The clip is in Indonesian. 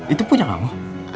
itu punya kamu